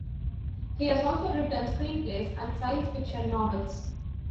He has also written screenplays and science-fiction novels.